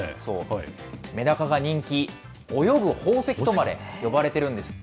メダカが人気、泳ぐ宝石とまで呼ばれてるんですって。